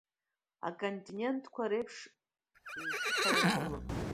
Аконтинентқәа реиԥш еицәыхаран атәылақәа.